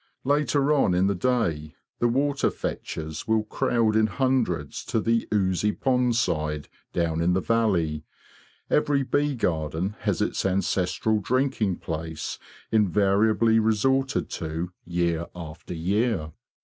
Later on in the day the water fetchers will crowd in hundreds to the oozy pond side down in the valley—every bee garden has its ancestral drinking place invariably resorted to year after year.